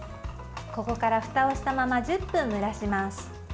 ここからふたをしたまま１０分蒸らします。